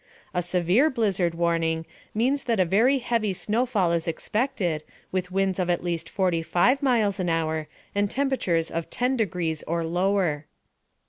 A severe blizzard warning means that a very heavy snowfall is expected, with winds of at least 45 miles an hour and temperatures of 10 degrees or lower.